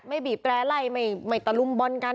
ไม่บีบแปรไล่ไม่ตลุ้มบ้อนกัน